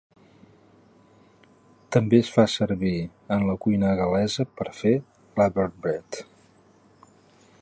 També es fa servir en la cuina gal·lesa per fer "laverbread".